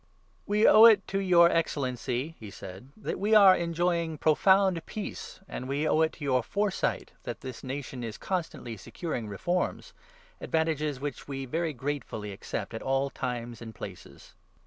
"We owe it to your Excellency," he said, "that we are 3 THE ACTS, 24. 261 enjoying profound peace, and we owe it to your foresight that this nation is constantly securing reforms — advantages which we very gratefully accept at all times and places.